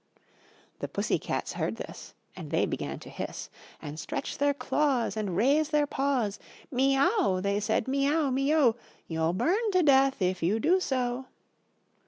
The pussy cats heard this, And they began to hiss, And stretch their claws, And raise their paws; "Me ow," they said, "me ow, me o, You'll burn to death, if you do so."